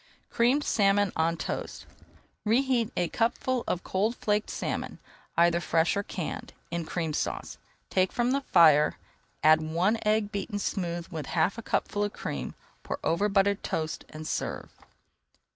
CREAMED SALMON ON TOAST Reheat a cupful of cold flaked salmon, either fresh or canned, in Cream Sauce. Take from the fire, add one egg beaten smooth with half a cupful of cream, pour over buttered toast, and serve.